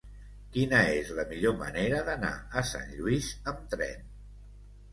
Quina és la millor manera d'anar a Sant Lluís amb tren?